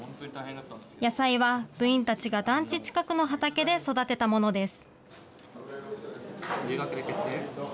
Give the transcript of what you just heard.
野菜は部員たちが団地近くの畑で育てたものです。